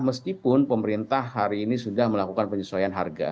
meskipun pemerintah hari ini sudah melakukan penyesuaian harga